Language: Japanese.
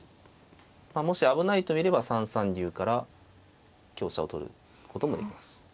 もし危ないと見れば３三竜から香車を取ることもできます。